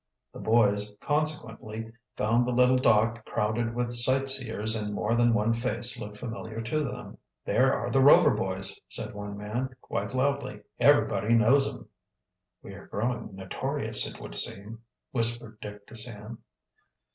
The boys, consequently, found the little dock crowded with sightseers and more than one face looked familiar to them. "There are the Rover boys," said one man, quite loudly. "Everybody knows 'em." "We are growing notorious, it would seem," whispered Dick to Sam.